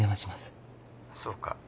☎そうか。